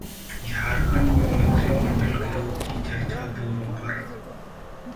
झारखंड में मंत्रिमंडल गिरोह की चर्चा जोरों पर